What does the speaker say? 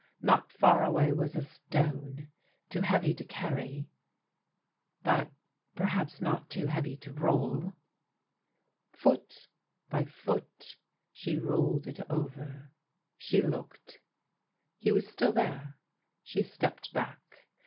Not far away was a stone, too heavy to carry but perhaps not too heavy to roll ! Foot by foot she rolled it over. She looked. He was still there. She stepped back.